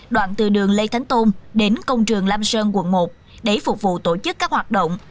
đoạn từ đường lê thánh tôn đến công trường lam sơn quận một để phục vụ tổ chức các hoạt động